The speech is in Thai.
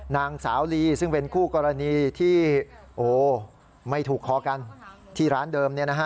นางสาวลีซึ่งเป็นคู่กรณีที่ไม่ถูกคอกันที่ร้านเดิม